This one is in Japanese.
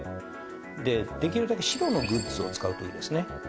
でできるだけ白のグッズを使うといいですね。